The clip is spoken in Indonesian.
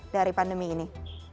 dari pandemi ini